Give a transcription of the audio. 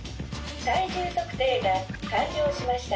体重測定が完了しました。